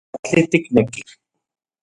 ¿Katli tikneki?